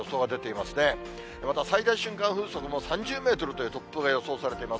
また、最大瞬間風速も３０メートルの突風が予想されています。